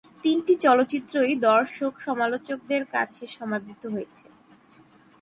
তিনটি চলচ্চিত্রই দর্শক-সমালোচকদের কাছে সমাদৃত হয়েছে।